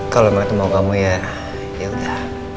kalau emang itu mau kamu ya ya udah